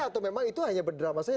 atau memang itu hanya berdrama saja